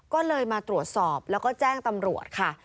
ก็เลยมาตรวจสอบแล้วก็แจ้งตำรวจค่ะ